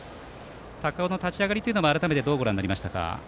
高尾の立ち上がりは改めてどうご覧になりましたか。